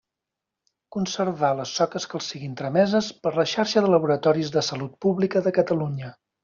Conservar les soques que els siguin trameses per la xarxa de laboratoris de Salut Pública de Catalunya.